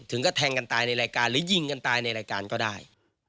ก็แทงกันตายในรายการหรือยิงกันตายในรายการก็ได้